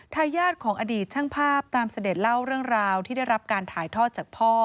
ทายาทของอดีตช่างภาพตามเสด็จเล่าเรื่องราวที่ได้รับการถ่ายทอดจากพ่อ